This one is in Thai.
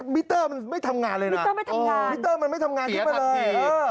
มิเตอร์มันไม่ทำงานเลยนะมิเตอร์มันไม่ทำงานที่ไปเลย